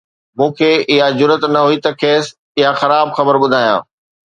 مون کي اها جرئت نه هئي ته کيس اها خراب خبر ٻڌايان